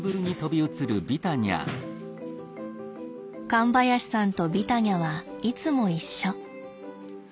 神林さんとビタニャはいつも一緒。